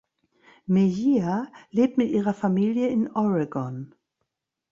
Mejia lebt mit ihrer Familie in Oregon.